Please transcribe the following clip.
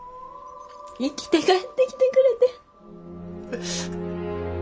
生きて帰ってきてくれて。